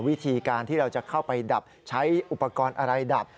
วิธีการที่เราจะเข้าไปดับใช้อุปกรณ์อะไรดับ